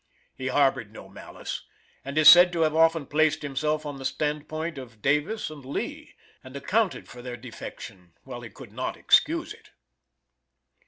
He harbored no malice, and is said to have often placed himself on the stand point of Davis and Lee, and accounted for their defection while he could not excuse it.